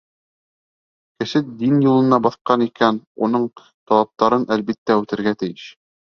Кеше дин юлына баҫҡан икән, уның талаптарын, әлбиттә, үтәргә тейеш.